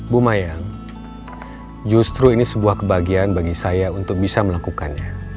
bu mayang justru ini sebuah kebahagiaan bagi saya untuk bisa melakukannya